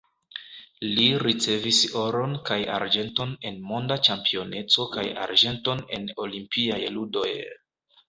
Li ricevis oron kaj arĝenton en monda ĉampioneco kaj arĝenton en olimpiaj ludoj.